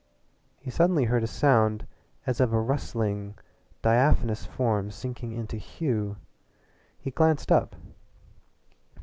He suddenly heard a sound as of a rustling, diaphanous form sinking into Hume. He glanced up.